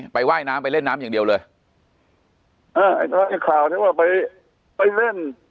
ว่ายน้ำไปเล่นน้ำอย่างเดียวเลยเออไอ้ข่าวที่ว่าไปไปเล่น